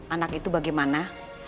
anak itu bagaimana